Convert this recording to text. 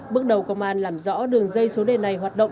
bước đầu công an làm rõ đường dây số đề này hoạt động